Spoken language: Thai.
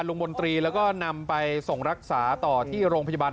โนยกู้ภัยแพร่ก็ช่วยกันประโดยสมัคร